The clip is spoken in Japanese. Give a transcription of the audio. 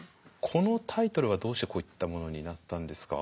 このタイトルはどうしてこういったものになったんですか？